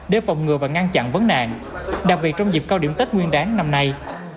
đặc biệt trong dịp cao điểm tết nguyên đáng năm nay